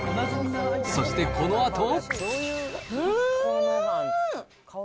そしてこのあと。